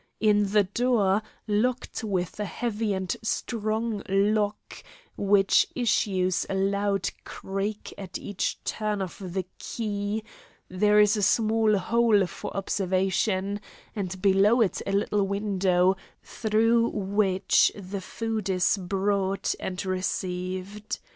In the door, locked with a heavy and strong lock, which issues a loud creak at each turn of the key, there is a small hole for observation, and below it a little window, through which the food is brought and received.